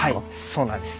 そうなんです。